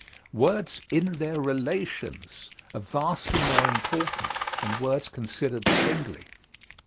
Words in their relations are vastly more important than words considered singly.